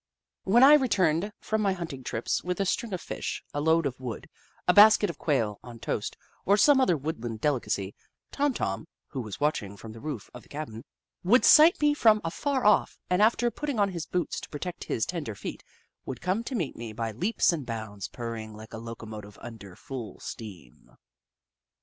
When I returned from my hunting trips with a string of Fish, a load of wood, a basket of Quail on toast, or some other woodland delicacy, Tom Tom, who was watching from the roof of the cabin, would sight me from afar off, and after putting on his boots to protect his tender feet, would come to meet me by leaps and bounds, purring like a loco motive under full steam.